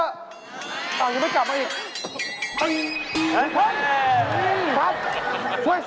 อ้าวเห็นมั้ยกลับมาอีก